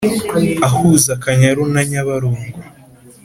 Ahuza Akanyaru na Nyabarongo